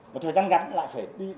một thời gian gắn lại phải đi